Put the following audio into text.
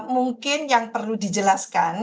mungkin yang perlu dijelaskan